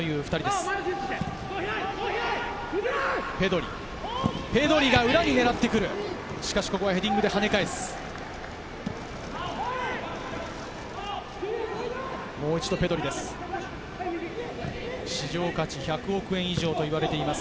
しかし、ヘディングで跳ね返す。